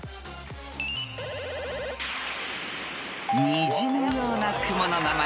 ［虹のような雲の名前。